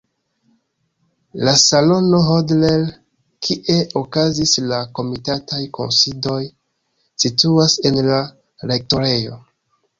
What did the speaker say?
La salono Hodler, kie okazas la komitataj kunsidoj, situas en la rektorejo.